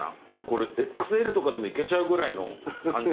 これＸＬとかでもいけちゃうぐらいの感じ。